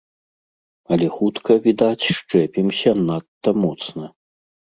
Але хутка, відаць, счэпімся надта моцна.